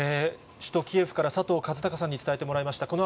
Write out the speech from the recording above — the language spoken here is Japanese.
首都キエフから、佐藤和孝さんに伝えてもらいました。